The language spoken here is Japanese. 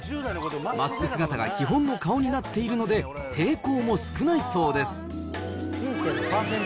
マスク姿が基本の顔になっているので、抵抗も少ないそうです。